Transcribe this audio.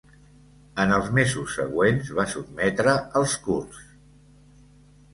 En els mesos següents va sotmetre als kurds.